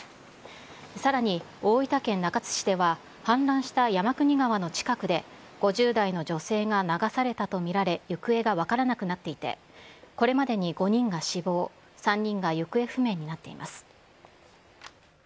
さらに、大分県中津市では、氾濫した山国川の近くで、５０代の女性が流されたと見られ、行方が分からなくなっていて、これまでに５人が死亡、３人が行方不明になっています。